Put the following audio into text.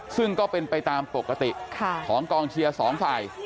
ซึ่งก็เป็นไปตามปกติของกองเชียร์สองฝ่าย